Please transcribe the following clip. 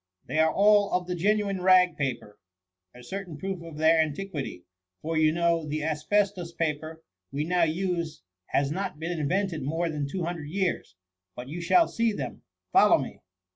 They are all of the genuine rag paper, a certain proof of their antiquity ; for, you know, the asbestos paper we now use has not been invented more than two hundred years. But you shall see them : follow me.''